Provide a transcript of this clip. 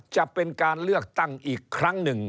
จะเป็นการเลือกตั้งอีกครั้งหนึ่ง